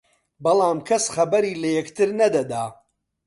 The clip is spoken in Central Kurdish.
بەڵام کەس خەبەری لە یەکتر نەدەدا